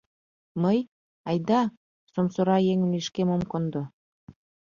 Мый, айда, сомсора еҥым лишкем ом кондо.